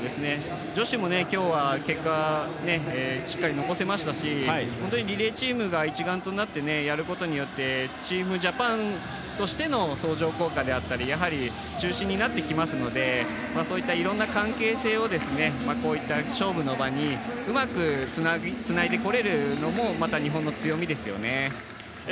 女子も今日は結果しっかり残せましたし、リレーチームが一丸となってやることによって、チームジャパンとしての相乗効果であったり、中心になってきますので、いろんな関係性を勝負の場にうまくつないで来れるのも日本の強みですよね。